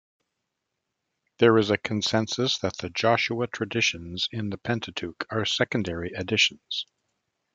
There is a consensus that the Joshua traditions in the Pentateuch are secondary additions.